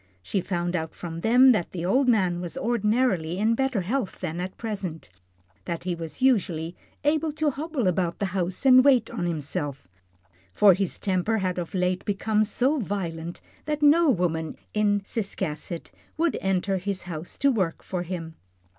She found out from them that the old man was ordinarily in better health than at present, that he was usually able to hobble about the house and wait on himself, for his temper had of late become so violent that no woman in Ciscasset would enter his house to work for him.